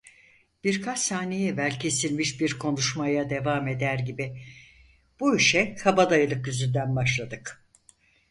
Birkaç saniye evvel kesilmiş bir konuşmaya devam eder gibi: "Bu işe kabadayılık yüzünden başladık!"